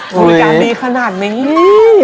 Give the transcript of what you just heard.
บริการดีขนาดนี้